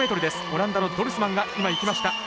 オランダのドルスマンが今行きました。